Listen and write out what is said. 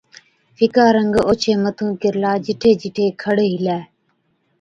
ڦِڪا رنگ اوڇي مٿُون ڪِرلا، جِٺي جِٺي کڙ هِلَي،